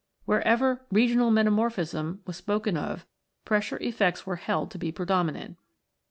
Where ever "regional metamorphism " was spoken of, pressure effects were held to be predominant.